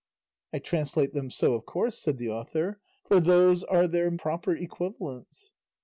"I translate them so of course," said the author, "for those are their proper equivalents."